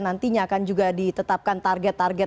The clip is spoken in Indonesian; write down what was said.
nantinya akan juga ditetapkan target target